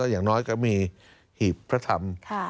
อย่างน้อยก็มีหีบพระธรรม